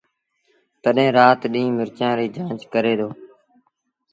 تڏهيݩ رآت ڏيݩهݩ مرچآݩ ريٚ جآݩچ ڪري دو